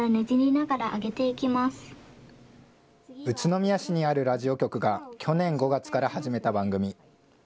宇都宮市にあるラジオ局が、去年５月から始めた番組。